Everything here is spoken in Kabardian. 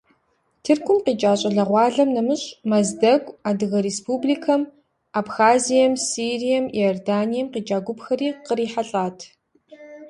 Тыркум къикӏа щӏалэгъуалэм нэмыщӏ Мэздэгу, Адыгэ республикэм, Абхазием, Сирием, Иорданием къикӏа гупхэри кърихьэлӏат.